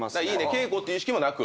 稽古っていう意識もなく。